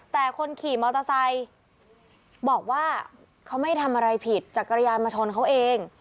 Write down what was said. แต่คนขี่มอเตอร์ไซค์บอกว่าเขาไม่ทำอะไรผิดจักรยานมาชนเขาเอง